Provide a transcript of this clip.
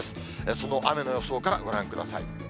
その雨の予想からご覧ください。